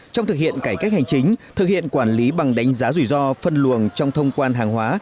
trong thực hiện cải cách hành chính thực hiện quản lý bằng đánh giá rủi ro phân luồng trong thông quan hàng hóa